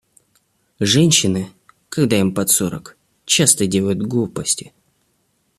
Женщины, когда им под сорок, часто делают глупости.